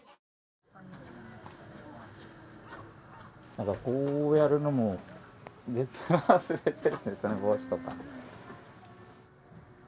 なんかこうやるのも絶対忘れているんですよね帽子とか。